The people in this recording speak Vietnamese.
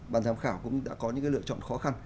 bàn giám khảo cũng đã có những lựa chọn khó khăn